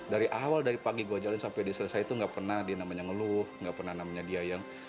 dari awal dari pagi gue jalan sampai diselesai itu nggak pernah dia namanya ngeluh nggak pernah namanya dia yang